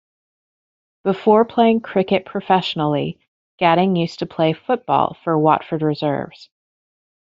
Before playing cricket professionally, Gatting used to play football for Watford reserves.